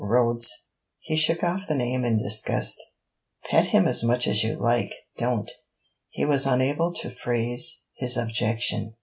'Rhodes!' he shook off the name in disgust. 'Pet him as much as you like; don't...' he was unable to phrase his objection.